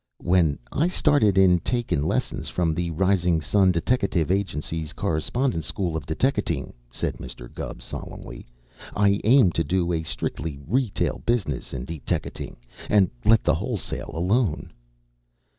"When I started in takin' lessons from the Rising Sun Deteckative Agency's Correspondence School of Deteckating," said Mr. Gubb solemnly, "I aimed to do a strictly retail business in deteckating, and let the wholesale alone."